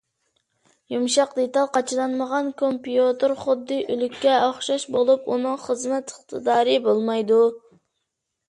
يۇمشاق دېتال قاچىلانمىغان كومپيۇتېر خۇددى ئۆلۈككە ئوخشاش بولۇپ، ئۇنىڭ خىزمەت ئىقتىدارى بولمايدۇ.